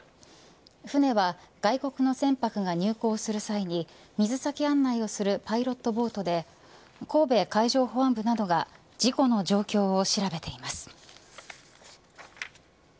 船は外国の船舶が入港する際に水先案内をするパイロットボートで神戸海上保安部などが事故の状況を調べています。